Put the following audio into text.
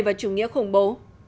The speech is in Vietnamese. và chủ nghĩa khủng bố